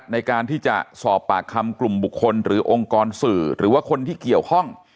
ในการที่จะสอบปากคำกลุ่มบุคคลหรือองค์กรสื่อหรือว่าคนที่เกี่ยวข้อง